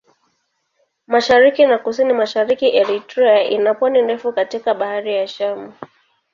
Mashariki na Kusini-Mashariki Eritrea ina pwani ndefu katika Bahari ya Shamu.